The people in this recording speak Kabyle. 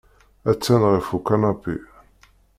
Attan ɣef ukanapi.